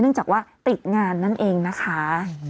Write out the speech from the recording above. เนื่องจากว่าติดงานนั่นเองนะคะ